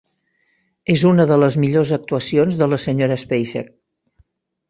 És una de les millors actuacions de la Sra. Spacek.